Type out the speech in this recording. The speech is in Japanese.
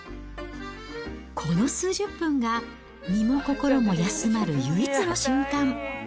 この数十分が、身も心も休まる唯一の瞬間。